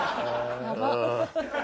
やばっ。